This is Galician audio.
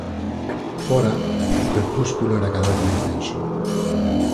Fóra, o crepúsculo era cada vez máis denso.